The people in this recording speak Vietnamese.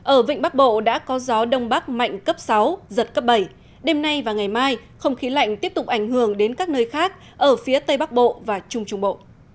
ở vịnh bắc bộ đã có gió đông bắc mạnh cấp sáu giật cấp bảy đêm nay và ngày mai không khí lạnh tiếp tục ảnh hưởng đến các nơi khác ở phía tây bắc bộ và trung trung bộ